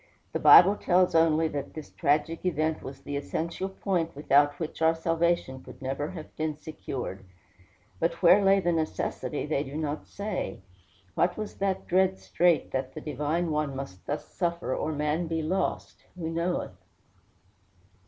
The Bible tells only that this tragic event was the essential point without which our salvation could never have been secured. But where lay the necessity they do not say. What was that dread strait that either the divine One must thus suffer, or man be lost, who knoweth?